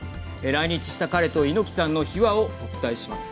来日した彼と猪木さんの秘話をお伝えします。